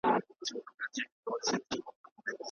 څرنګه چې صبر وشي، لانجه به سخته نه شي.